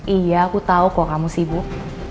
iya aku tahu kok kamu sibuk